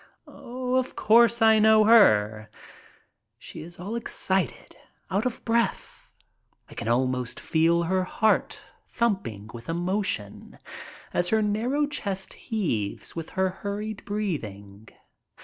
Of course I know her. She is all excited, out of breath. I can almost feel her heart thumping with emotion as her narrow chest heaves with her hurried breathing.